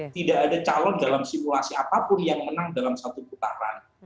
tidak ada calon dalam simulasi apapun yang menang dalam satu putaran